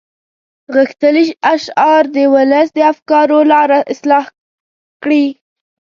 غښتلي اشعار د ولس د افکارو لاره اصلاح کړي.